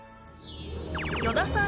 与田さん